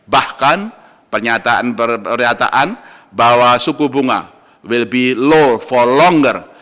bahkan pernyataan pernyataan bahwa suku bunga well be low for longer